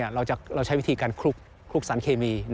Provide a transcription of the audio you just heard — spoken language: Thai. เราใช้วิธีการคลุกสารเคมี